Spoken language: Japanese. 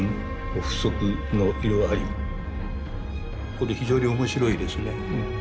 これ非常に面白いですね。